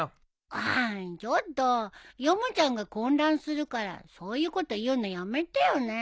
ああちょっとヨモちゃんが混乱するからそういうこと言うのやめてよね。